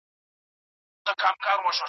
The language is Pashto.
د بیان علم تر عروضو خورا اسانه برېښي.